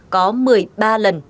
có một mươi ba lần